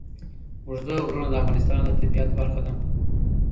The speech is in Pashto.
اوږده غرونه د افغانستان د طبیعت برخه ده.